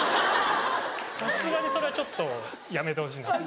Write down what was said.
さすがにそれはちょっとやめてほしいなって。